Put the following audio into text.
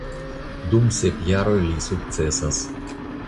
Dum sep jaroj li sukcesas.